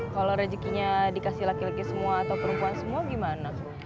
kalau rezekinya dikasih laki laki semua atau perempuan semua gimana